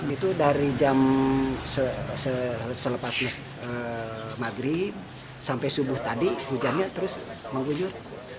itu dari jam selepas maghrib sampai subuh tadi hujannya terus mengguyur